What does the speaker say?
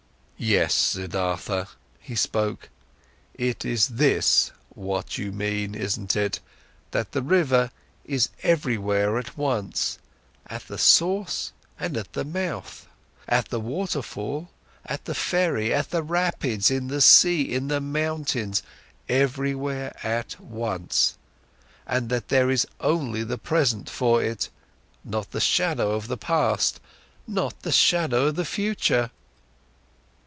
"Yes, Siddhartha," he spoke. "It is this what you mean, isn't it: that the river is everywhere at once, at the source and at the mouth, at the waterfall, at the ferry, at the rapids, in the sea, in the mountains, everywhere at once, and that there is only the present time for it, not the shadow of the past, not the shadow of the future?"